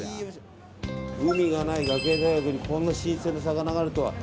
海がない学芸大学にこんな新鮮な魚があるとは。